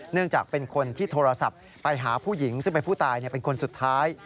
จากเป็นคนที่โทรศัพท์ไปหาผู้หญิงซึ่งเป็นผู้ตายเป็นคนสุดท้าย